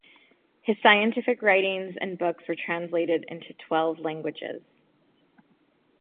His scientific writings and books were translated into twelve languages.